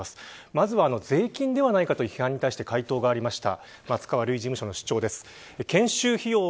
まずは、税金ではないかという批判に対して回答がありました。